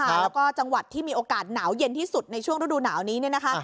แล้วก็จังหวัดที่มีโอกาสหนาวเย็นที่สุดในช่วงรูดูหนาวนี้